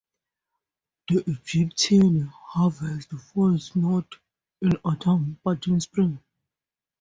The Egyptian harvest falls not in autumn but in spring.